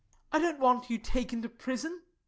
I don't want you taken to prison. MARY.